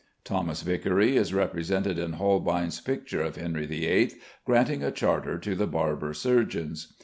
Thomas Vicary is represented in Holbein's picture of Henry VIII. granting a charter to the Barber Surgeons.